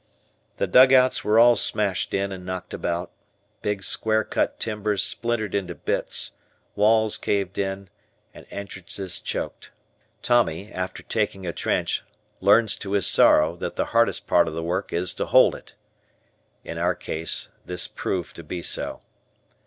The dugouts were all smashed in and knocked about, big square cut timbers splintered into bits, walls caved in, and entrances choked. Tommy, after taking a trench, learns to his sorrow, that the hardest part of the work is to hold it. In our case this proved to be so.